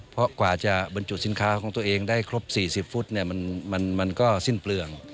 เพราะกว่าจะบรรจุสินค้าของตัวเองได้ครบ๔๐ฟุตมันก็สิ้นเปลือง